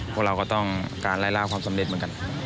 พวกเราก็ต้องการไล่ล่าความสำเร็จเหมือนกัน